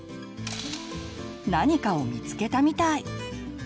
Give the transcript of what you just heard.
何かを見つけたみたい。